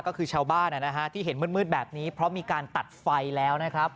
ก็คือชาวบ้านที่เห็นมืดแบบนี้เพราะมีการตัดไฟแล้วนะครับ